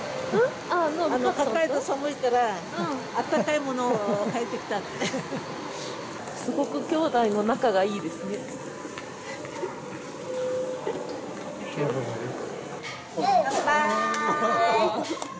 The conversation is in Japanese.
あの北海道寒いからあったかいものをはいてきたってすごくきょうだいの仲がいいですね乾杯！